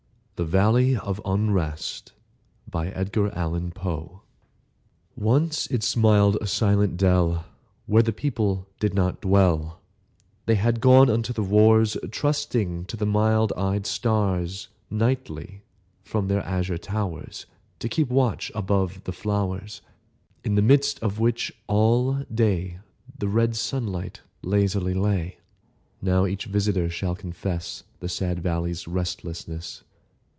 THE VALLEY OF UNREST Once it smiled a silent dell Where the people did not dwell; They had gone unto the wars, Trusting to the mild eyed stars, Nightly, from their azure towers, To keep watch above the flowers, In the midst of which all day The red sun light lazily lay. Now each visitor shall confess The sad valley's restlessness.